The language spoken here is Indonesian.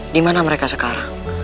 di mana mereka sekarang